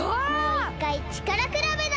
もういっかいちからくらべだ！